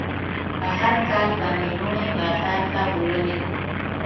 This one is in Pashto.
هر کال به مې لوڼې بازار ته بوولې.